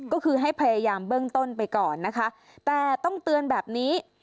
ก็คือให้พยายามเบื้องต้นไปก่อนนะคะแต่ต้องเตือนแบบนี้